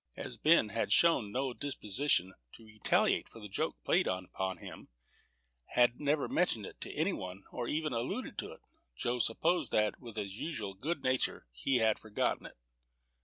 As Ben had shown no disposition to retaliate for the joke played upon him, had never mentioned it to any one, or ever alluded to it, Joe supposed that, with his usual good nature, he had forgotten it.